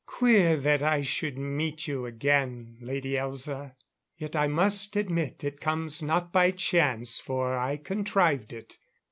"Queer that I should meet you again, Lady Elza. Yet, I must admit, it comes not by chance, for I contrived it.